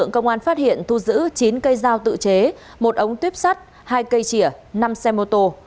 công an phát hiện thu giữ chín cây dao tự chế một ống tuyếp sắt hai cây chĩa năm xe mô tô